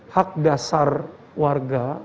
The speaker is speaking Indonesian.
hak dasar warga